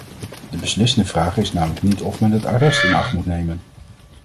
De beslissende vraag is namelijk niet of men het arrest in acht moet nemen.